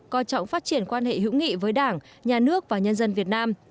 coi trọng phát triển quan hệ hữu nghị với đảng nhà nước và nhân dân việt nam